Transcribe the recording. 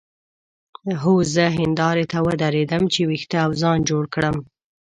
هو زه هندارې ته ودرېدم چې وېښته او ځان جوړ کړم.